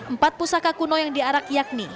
empat pusaka kuno yang diarak yakni